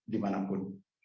di mana pun